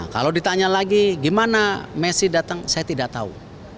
kalau ditanya lagi gimana messi datang saya tidak tahu